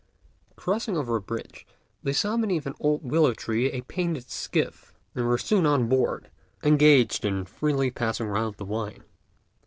Crossing over a bridge, they saw beneath an old willow tree a little painted skiff, and were soon on board, engaged in freely passing round the wine.